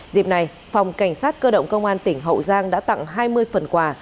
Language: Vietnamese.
dịp này phòng cảnh sát cơ động công an tỉnh hậu giang đã tặng hai mươi phần quà